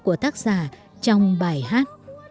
của tác giả trong bài hát